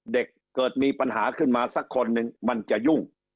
เกิดมีปัญหาขึ้นมาสักคนนึงมันจะยุ่ง